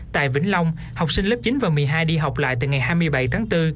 tại vĩnh long học sinh lớp chín và một mươi hai đi học lại từ ngày hai mươi bảy tháng bốn